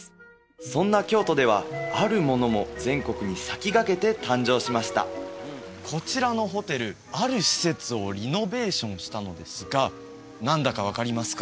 そんな京都ではあるものも全国に先駆けて誕生しましたこちらのホテルある施設をリノベーションしたのですが何だか分かりますか？